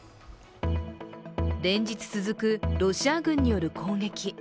連日続くロシア軍による攻撃。